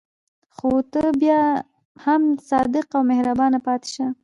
خو ته بیا هم صادق او مهربان پاتې شه.